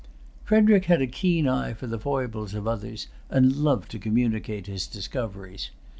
Frederic had a keen eye for the foibles of others, and loved to communicate his discoveries.